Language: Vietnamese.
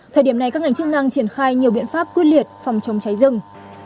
thời điểm này các ngành chức năng triển khai nhiều biện pháp quyết liệt phòng chống cháy rừng